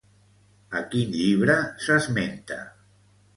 A quin llibre s'esmenta?